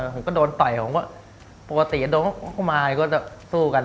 ผมก็โดนต่อยผมก็ปกติโดนเข้ามาก็จะสู้กัน